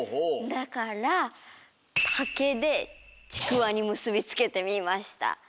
だからたけでちくわにむすびつけてみました。